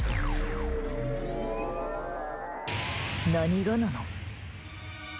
何がなの？